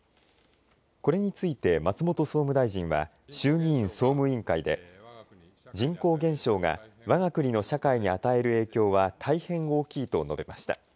これについて松本総務大臣は衆議院総務委員会で人口減少がわが国の社会に与える影響は大変大きいと述べました。